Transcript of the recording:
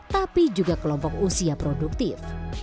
tapi juga kelompok usia produktif